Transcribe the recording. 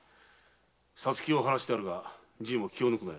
皐月を張らせてあるがじいも気を抜くなよ。